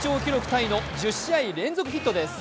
タイの１０試合連続ヒットです。